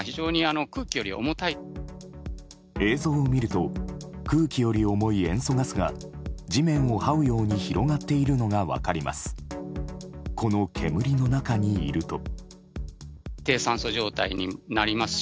映像を見ると空気より重い塩素ガスが地面を這うように広がっているのが分かります。